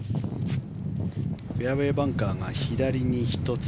フェアウェーバンカーが左に１つ。